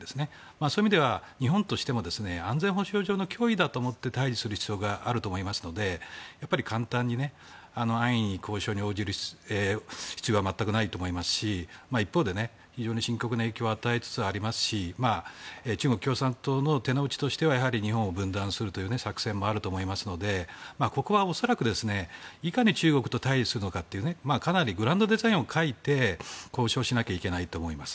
そういう意味では日本としても安全保障上の脅威だと思って対峙する必要があると思うので安易に交渉に応じる必要は全くないと思いますし一方で、深刻な影響を与えつつありますし中国共産党の手の内としてはやはり日本を分断するという作戦もあると思いますのでここは恐らく、いかに中国と対峙するのかというグランドデザインを描いて交渉しなければいけないと思います。